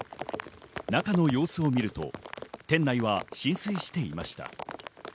中の様子を見ると店内は浸水していました。